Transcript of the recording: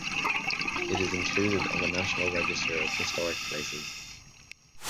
It is included on the National Register of Historic Places.